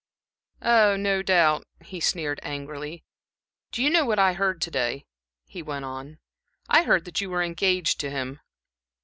"Oh, no doubt." He sneered angrily. "Do you know what I heard to day?" he went on. "I heard that you were engaged to him."